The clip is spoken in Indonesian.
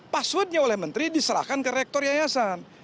passwordnya oleh menteri diserahkan ke rektor yayasan